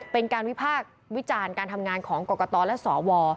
เป็นการวิพากษ์วิจารณ์การทำงานของกรกตและสว